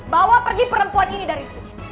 bawa pergi perempuan ini dari sini